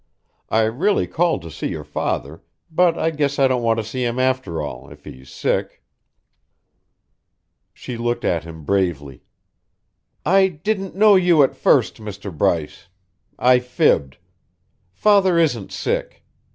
I really called to see your father, but I guess I don't want to see him after all if he's sick." She looked at him bravely. "I didn't know you at first, Mr. Bryce. I fibbed. Father isn't sick.